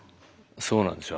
そうなんですよ。